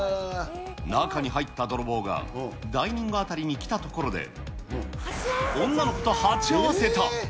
中に入った泥棒がダイニング辺りに来たところで、女の子と鉢合わせた。